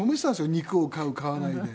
肉を買う買わないで。